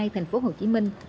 thành phố hồ chí minh